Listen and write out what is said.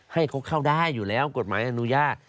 ให้เขาเข้าได้อยู่แล้วกฎหมายอนุญาต